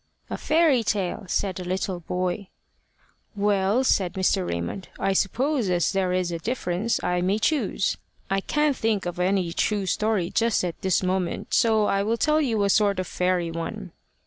"A fairy tale," said a little boy. "Well," said Mr. Raymond, "I suppose, as there is a difference, I may choose. I can't think of any true story just at this moment, so I will tell you a sort of a fairy one."